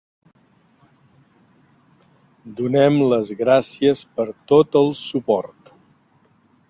Donem les gràcies per tot el suport.